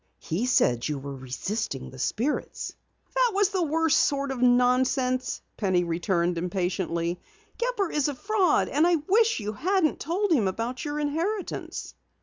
"He said you were resisting the spirits." "That was the worst sort of nonsense," Penny returned impatiently. "Gepper is a fraud, and I wish you hadn't told him about your inheritance."